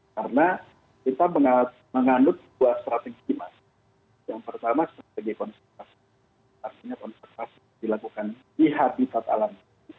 karena kita menganut dua strategi masyarakat yang pertama strategi konservasi artinya konservasi dilakukan di habitat alam